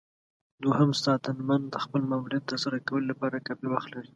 دوهم ساتنمن د خپل ماموریت ترسره کولو لپاره کافي وخت لري.